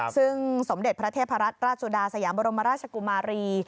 ซึ่งสมเด็จพระเทพรัตนราชสุดาสยามบรมราชกุมารี